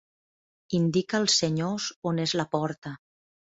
Indica als senyors on és la porta.